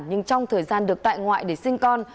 nhưng trong thời gian được tại ngoại để sinh con